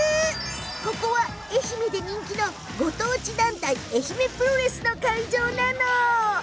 ここは愛媛で人気のご当地団体愛媛プロレスの会場よ。